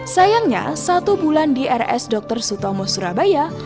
sayangnya satu bulan di rs dr sutomo surabaya